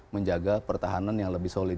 menjaga pertahanan yang lebih solid